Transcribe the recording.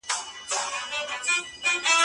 هغه خپلواک او د بګړیو وطن